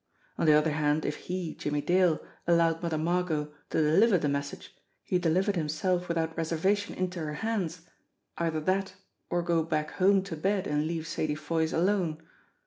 On the other hand if he, Jimmie Dale, allowed Mother Margot to deliver the message he delivered himself without reservation into her hands either that, or go back home to bed and leave Sadie Foy's alone.